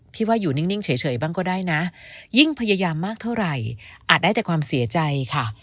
พี่ว่าอยู่นิ่งเฉยบ้างก็ได้นะยิ่งพยายามมากเท่าไหร่อาจได้แต่ความเสียใจค่ะ